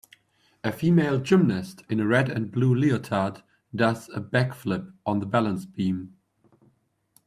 A female gymnast in a red and blue leotard does a back flip on the balance beam.